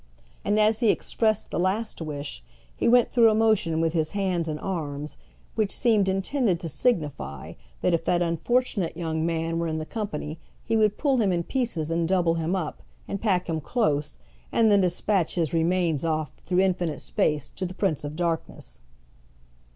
And as he expressed the last wish he went through a motion with his hands and arms which seemed intended to signify that if that unfortunate young man were in the company he would pull him in pieces and double him up, and pack him close, and then despatch his remains off, through infinite space, to the Prince of Darkness.